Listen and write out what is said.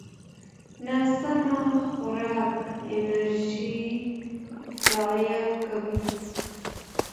ناسم خوراک انرژي ضایع کوي.